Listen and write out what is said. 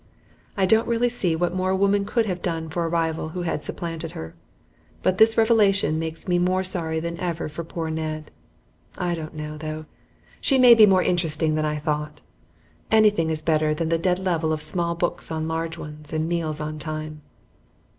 I don't really see what more a woman could have done for a rival who had supplanted her. But this revelation makes me more sorry than ever for poor Ned. I don't know, though; she may be more interesting than I thought. Anything is better than the dead level of small books on large ones, and meals on time.